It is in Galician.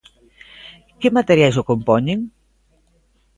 Que materiais o compoñen?